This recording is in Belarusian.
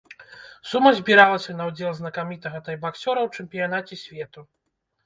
Сума збіралася на ўдзел знакамітага тайбаксёра ў чэмпіянаце свету.